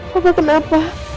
papa papa kenapa